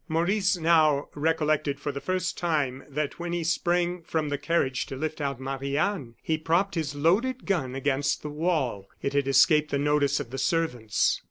Maurice now recollected, for the first time, that when he sprang from the carriage to lift out Marie Anne, he propped his loaded gun against the wall. It had escaped the notice of the servants.